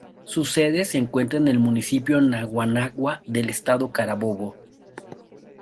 Su sede se encuentra en el Municipio Naguanagua del estado Carabobo.